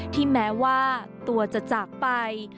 แม้ว่าตัวจะจากไป